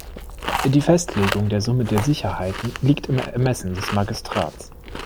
Die Festlegung der Summe der Sicherheiten liegt im Ermessen des Magistrats.